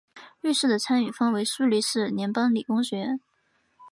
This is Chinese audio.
瑞士的参与方为苏黎世联邦理工学院。